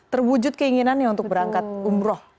terwujud keinginannya untuk berangkat umroh